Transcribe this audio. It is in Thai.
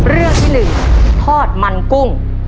เรื่องที่๑ทอดมันกุ้ง